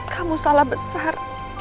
kamu salah besar